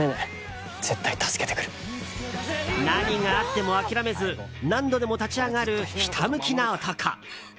何があっても諦めず何度でも立ち上がるひたむきな男。